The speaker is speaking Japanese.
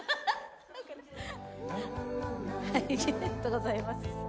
ありがとうございます。